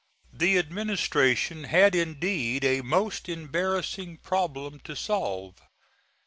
The administration had indeed a most embarrassing problem to solve.